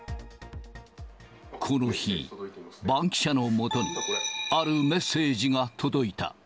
この日、バンキシャのもとに、あるメッセージが届いた。